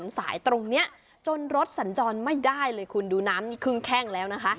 พ่วมถนนสายตรงเนี้ยจนรถสัญจรไม่ได้เลยคุณดูน้ำนี่คลึงแข้งแล้วนะคะค่ะ